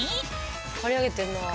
刈り上げてんなあ。